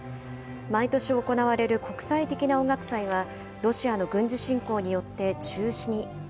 毎年行われる国際的な音楽祭は、ロシアの軍事侵攻によって中止に。